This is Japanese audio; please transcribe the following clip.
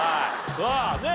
さあねっ。